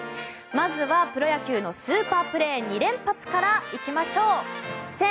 まずはプロ野球のスーパープレー２連発から行きましょう。